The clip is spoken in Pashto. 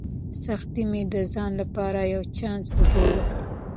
سختۍ مې د ځان لپاره یو چانس وباله.